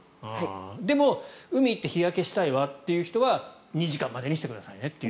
でも、海に行って日焼けしたいわという人は２時間までにしてくださいねと。